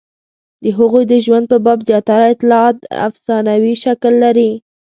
د هغوی د ژوند په باب زیاتره اطلاعات افسانوي شکل لري.